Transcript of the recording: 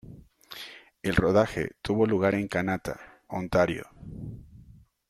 El rodaje tuvo lugar en Kanata, Ontario.